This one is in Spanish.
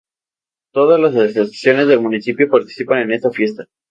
Todas las asociaciones del municipio participan en esta fiesta.